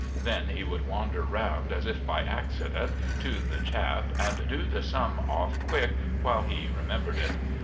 Then he would wander round, as if by accident, to the chap and do the sum off quick while he remembered it.